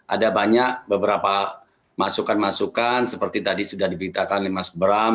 ada banyak beberapa masukan masukan seperti tadi sudah diberitakan oleh mas bram